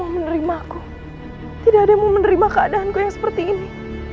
semua keadaanku yang seperti ini